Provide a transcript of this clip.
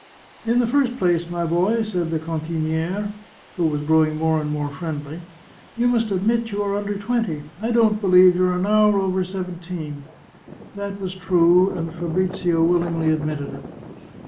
" In the first place, my boy," said the cantinQre, who was growing more and more friendly, " you must admit you are under twenty — I don't believe you are an hour over seventeen !" That was true, and Fabrizio willingly admitted it.